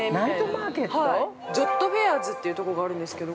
◆ジョッドフェアーズってとこがあるんですけど。